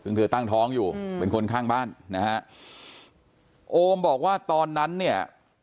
ซึ่งเธอตั้งท้องอยู่เป็นคนข้างบ้านนะฮะโอมบอกว่าตอนนั้นเนี่ย